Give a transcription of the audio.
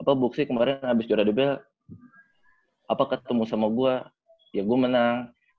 apa buksi kemarin abis juara dbl apa ketemu sama gue ya gue menang